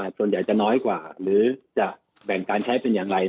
อาจจะมากส่วนใหญ่จะน้อยหรือจะแบ่งการใช้เป็นยังไง